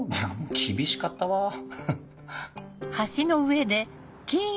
厳しかったわハハ。